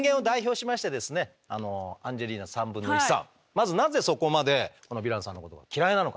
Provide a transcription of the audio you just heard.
まずなぜそこまでこのヴィランさんのことが嫌いなのか？